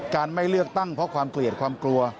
การไม่เลือกตั้งเพราะความเกลียดความกลัว